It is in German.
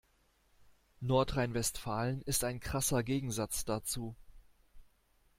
Nordrhein-Westfalen ist ein krasser Gegensatz dazu.